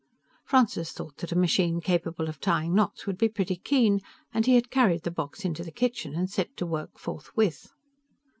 Francis thought that a machine capable of tying knots would be pretty keen, and he had carried the box into the kitchen and set to work forthwith.